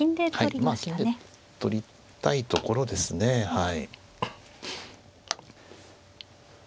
まあ金で取りたいところですねはい。